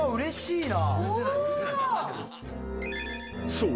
［そう。